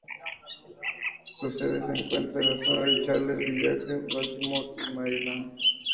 Su sede se encuentra en la zona de Charles Village en Baltimore, Maryland.